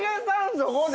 そこで。